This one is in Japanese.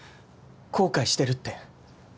後悔してるって